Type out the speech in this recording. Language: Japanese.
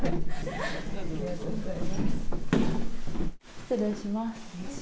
失礼します。